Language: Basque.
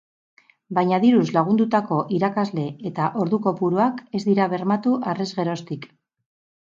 Baina diruz lagundutako irakasle eta ordu kopuruak ez dira bermatu harrezgeroztik.